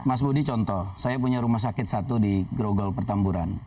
mas budi contoh saya punya rumah sakit satu di grogol pertamburan